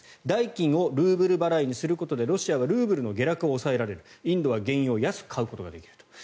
代金をルーブル払いにすることでロシアはルーブルの下落を抑えられるインドは原油を安く買うことができると。